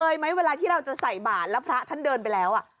ไหมเวลาที่เราจะใส่บาทแล้วพระท่านเดินไปแล้ว